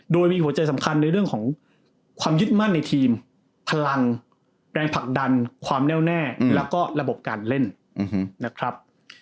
โดยมีหัวใจสำคัญในเรื่องของความยึดมั่นในทีมพลังแรงผลักดันความแน่วแน่แล้วก็ระบบการเล่นนะครับ